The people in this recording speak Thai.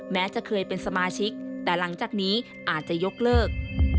แม้จะเคยเป็นสมาชิกแต่หลังจากนี้อาจจะยกเลิก